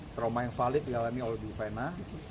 trauma yang valid dialami oleh bu vena